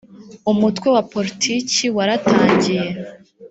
umutwe wa politiki waratangiye